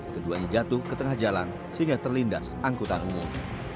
keduanya jatuh ke tengah jalan sehingga terlindas angkutan umum